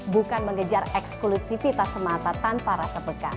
bukan mengejar eksklusifitas semata tanpa rasa peka